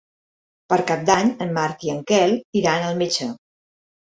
Per Cap d'Any en Marc i en Quel iran al metge.